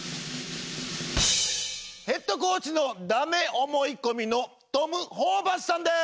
ヘッドコーチのだめ思い込みのトム・ホーバスさんです！